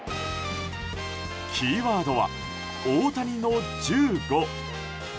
キーワードは、大谷の１５。